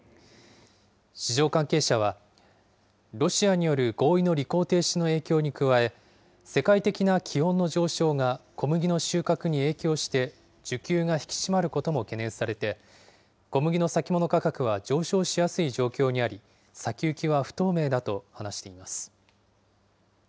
市場関係者は、ロシアによる合意の履行停止の影響に加え、世界的な気温の上昇が小麦の収穫に影響して、需給が引き締まることも懸念されて、小麦の先物価格は上昇しやすい状況にあり、先行きは不透明だと話しています。